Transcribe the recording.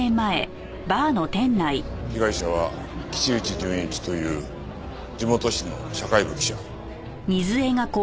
被害者は岸内潤一という地元紙の社会部記者。